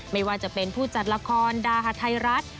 ไม่ว่าจะเป็นผู้จัดละครดาหาไทยรัฐ